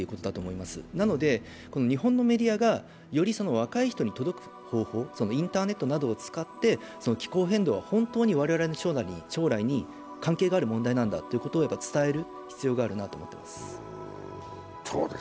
ですので、日本のメディアが、より若い人に届く方法、インターネットなどを使って気候変動は本当に我々の将来に関係がある問題なんだというのを伝える必要があると思います。